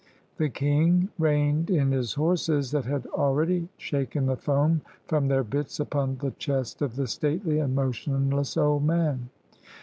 The king reined in his horses, that had already shaken the foam from their bits upon the chest of the stately and motionless old man.